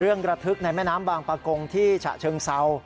เรื่องกระทึกในแม่น้ำบางปากงที่ฉะเชิงเซา